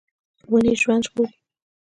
ونې ژوند ژغوري.